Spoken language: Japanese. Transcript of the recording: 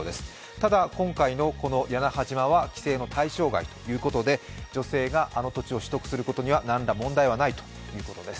ただ、今回の屋那覇島は規制の対象外ということで、女性があの土地を取得することにはなんら問題はないということです。